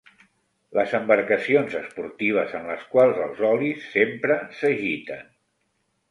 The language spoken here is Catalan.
Les embarcacions esportives en les quals els olis sempre s'agiten.